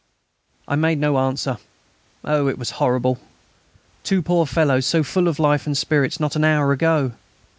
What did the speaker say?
I made no answer. Oh! it was horrible! Two poor fellows so full of life and spirits not an hour ago!